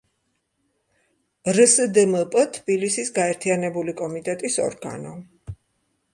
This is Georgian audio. რსდმპ თბილისის გაერთიანებული კომიტეტის ორგანო.